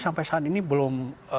sampai saat ini belum